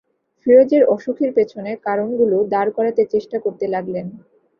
ফিরোজের অসুখের পেছনের কারণগুলো দাঁড় করাতে চেষ্টা করতে লাগলেন।